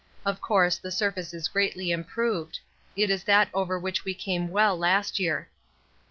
Of course, the surface is greatly improved; it is that over which we came well last year.